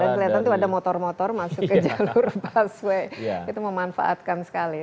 dan kelihatan tuh ada motor motor masuk ke jalur busway itu memanfaatkan sekali